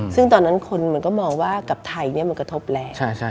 ซึ่งตอนนั้นคนมันก็มองว่ากับไทยมันกระทบแรง